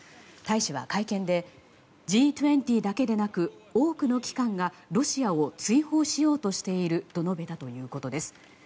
大使は会見でＧ２０だけでなく多くの機関がロシアを追放しようとしていると述べたということです。